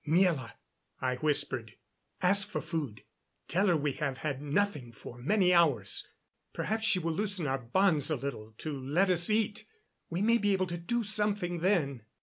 "Miela," I whispered, "ask for food. Tell her we have had nothing for many hours. Perhaps she will loosen our bonds a little to let us eat. We may be able to do something then."